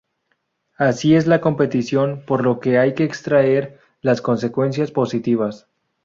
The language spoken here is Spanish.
Así es la competición, por lo que hay que extraer las consecuencias positivas’’.